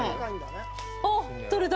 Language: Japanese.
あっ、取れた。